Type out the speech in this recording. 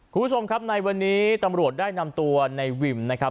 คุณผู้ชมครับในวันนี้ตำรวจได้นำตัวในวิมนะครับ